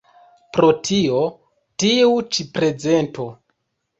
Pro tio tiu ĉi prezento.